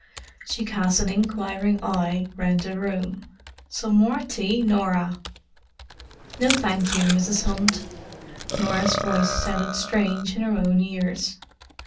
She cast an inquiring eye round the room: "Some more tea, Norah?" "No, thank you, Mrs. Hunt." Norah's voice sounded strange in her own ears.